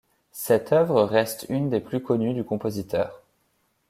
Cette œuvre reste une des plus connues du compositeur.